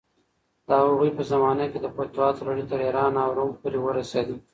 د هغوی په زمانه کې د فتوحاتو لړۍ تر ایران او روم پورې ورسېده.